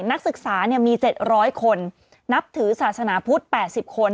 นักศึกษามี๗๐๐คนนับถือศาสนาพุทธ๘๐คน